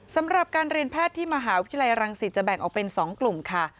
สำหรับการเรียนแพทย์ที่มหาวิทยาลัยรังสิตจะแบ่งออกเป็น๒กลุ่มค่ะ